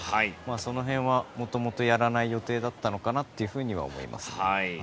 その辺は、もともとやらない予定だったのかなと思いますね。